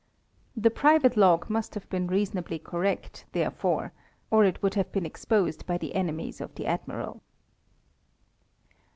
The private log must have been reasonably correct, therefore, or it would have been exposed by the enemies of the Admiral.